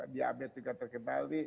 diabetes juga terkendali